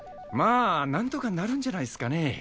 まあなんとかなるんじゃないっすかね。